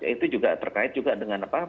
itu juga terkait juga dengan apa